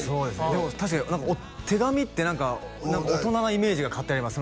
でも確かに手紙って何か大人なイメージが勝手にあります